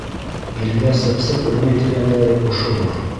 Илдә сыпсыҡ үлмәй тигәндәре ошолор.